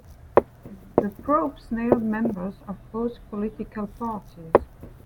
The probe snared members of both political parties.